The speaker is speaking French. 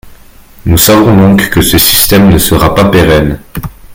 Nous savons donc que ce système ne sera pas pérenne.